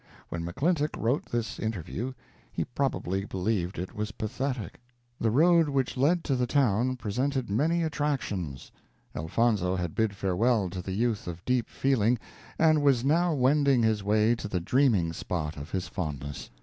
When McClintock wrote this interview he probably believed it was pathetic. The road which led to the town presented many attractions Elfonzo had bid farewell to the youth of deep feeling, and was now wending his way to the dreaming spot of his fondness.